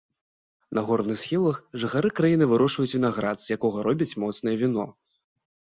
На горных схілах жыхары краіны вырошчваюць вінаград, з якога робяць моцнае віно.